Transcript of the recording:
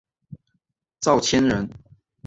赵谦人。